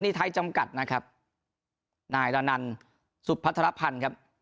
นี่ไทยจำกัดนะครับนายละนันสุพัฒนภัณฑ์ครับ